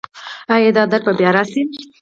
ایا دا درد به بیا راشي؟